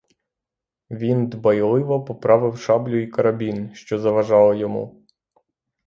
Він дбайливо поправив шаблю й карабін, що заважали йому.